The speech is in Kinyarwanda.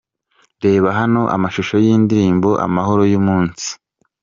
Reba hano amashusho y’indirimbo ‘Amahoro y’umunsi’ .